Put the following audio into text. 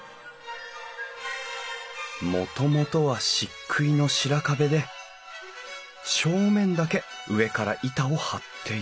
もともとは漆喰の白壁で正面だけ上から板を張っている。